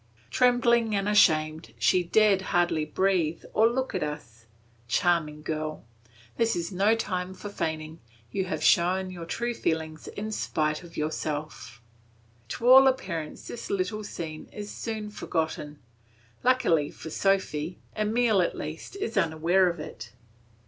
Trembling and ashamed she dared hardly breathe or look at us. Charming girl! This is no time for feigning, you have shown your true feelings in spite of yourself. To all appearance this little scene is soon forgotten; luckily for Sophy, Emile, at least, is unaware of it.